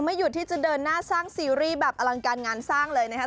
หยุดที่จะเดินหน้าสร้างซีรีส์แบบอลังการงานสร้างเลยนะครับ